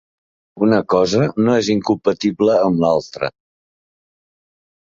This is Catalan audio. Una cosa no és incompatible amb l’altra.